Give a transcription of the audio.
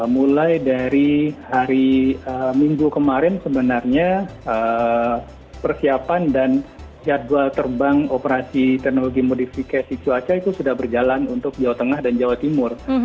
mulai dari hari minggu kemarin sebenarnya persiapan dan jadwal terbang operasi teknologi modifikasi cuaca itu sudah berjalan untuk jawa tengah dan jawa timur